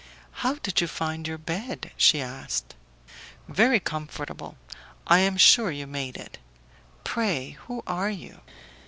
"How did you find your bed?" she asked. "Very comfortable; I am sure you made it. Pray, who are you?"